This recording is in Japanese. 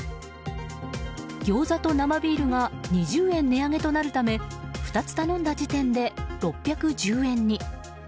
餃子と生ビールが２０円値上げとなるため２つ頼んだ時点で６１０円に。